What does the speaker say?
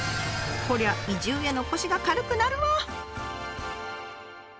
こりゃ移住への腰が軽くなるわ。